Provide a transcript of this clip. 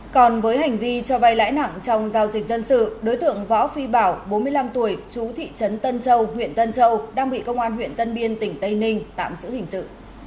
còn với hành vi cho vay lãi nặng trong giao dịch dân sự đối tượng võ phi bảo bốn mươi năm tuổi chú thị trấn tân châu huyện tân châu đang bị công an huyện tân biên tỉnh tây ninh tạm giữ hình sự